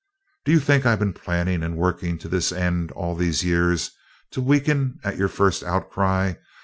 "Do you think I've been planning and working to this end all these years to weaken at your first outcry?